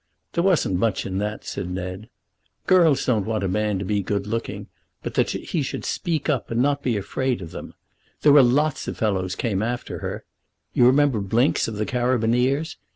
"There wasn't much in that," said Ned. "Girls don't want a man to be good looking, but that he should speak up and not be afraid of them. There were lots of fellows came after her. You remember Blinks, of the Carabineers.